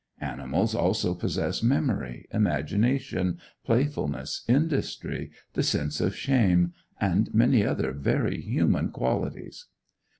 Animals also possess memory, imagination, playfulness, industry, the sense of shame, and many other very human qualities.